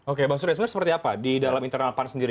oke bang surya sebenarnya seperti apa di dalam internal pan sendiri